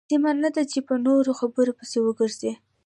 لازمه نه ده چې په نورو خبرو پسې وګرځئ.